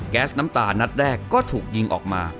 แก๊สน้ำตานัดแรกก็ถูกยิงออกมา